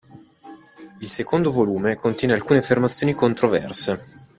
Il secondo volume contiene alcune affermazioni controverse.